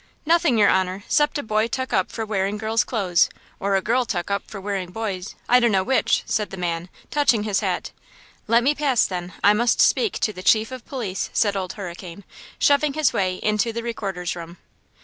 "Nothing, your honor, 'cept a boy tuk up for wearing girl's clothes, or a girl tuk up for wearing boy's, I dunno which," said the man, touching his hat. "Let me pass, then; I must speak to the chief of police," said Old Hurricane, shoving his way into the Recorder's room.